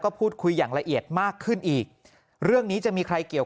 พูดคุยอย่างละเอียดมากขึ้นอีกเรื่องนี้จะมีใครเกี่ยว